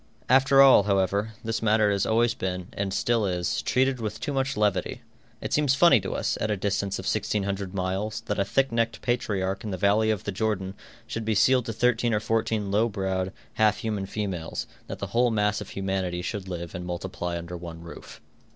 After all, however, this matter has always been, and still is, treated with too much levity. It seems funny to us, at a distance of 1,600 miles, that a thick necked patriarch in the valley of the Jordan should be sealed to thirteen or fourteen low browed, half human females, and that the whole mass of humanity should live and multiply under one roof.